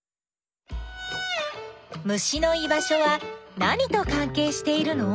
虫の居場所は何とかんけいしているの？